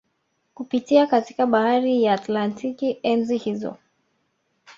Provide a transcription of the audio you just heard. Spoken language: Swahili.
Kupitia katika bahari hii ya Atlantik enzi hizo